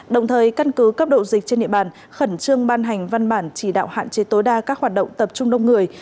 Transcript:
đồng thời căn cứ cấp độ dịch trên địa bàn khẩn trương ban hành văn bản chỉ đạo hạn chế tối đa các hoạt động tập trung đông người